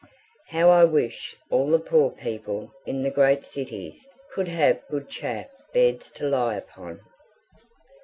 How I wish all the poor people in the great cities could have good chaff beds to lie upon!